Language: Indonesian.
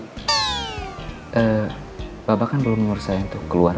eee babak kan belum ngurus sayang tuh keluar